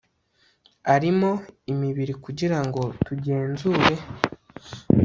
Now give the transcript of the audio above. arimo imibiri kugira ngo tugenzure